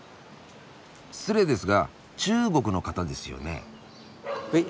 失礼ですが中国の方ですよね？